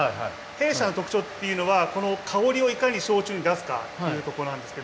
弊社の特徴っていうのはこの香りをいかに焼酎に出すかっていうとこなんですけど。